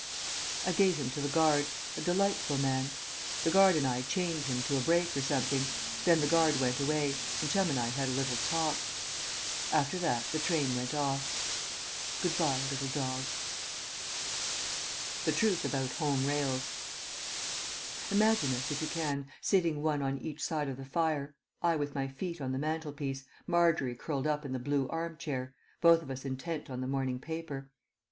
I gave him to the guard a delightful man. The guard and I chained him to a brake or something. Then the guard went away, and Chum and I had a little talk.... After that the train went off. Good bye, little dog. THE TRUTH ABOUT HOME RAILS Imagine us, if you can, sitting one on each side of the fire, I with my feet on the mantelpiece, Margery curled up in the blue arm chair, both of us intent on the morning paper.